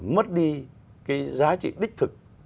mất đi cái giá trị đích thực